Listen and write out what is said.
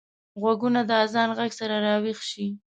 غوږونه د اذان غږ سره راويښ شي